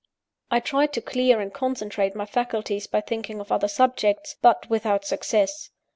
I tried to clear and concentrate my faculties by thinking of other subjects; but without success.